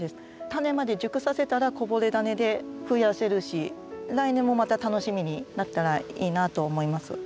タネまで熟させたらこぼれダネでふやせるし来年もまた楽しみになったらいいなと思います。